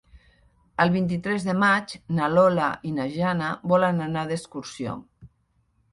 El vint-i-tres de maig na Lola i na Jana volen anar d'excursió.